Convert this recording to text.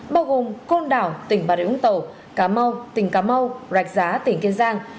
bao gồm côn đảo tỉnh bà rịa úng tàu cá mau tỉnh cà mau rạch giá tỉnh kiên giang